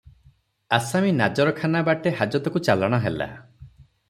ଆସାମୀ ନାଜରଖାନା ବାଟେ ହାଜତକୁ ଚାଲାଣ ହେଲା ।